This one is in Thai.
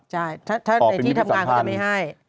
ใช่ถ้าในที่ทำงานเขาจะไม่ให้